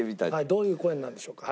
どういう声になるんでしょうか。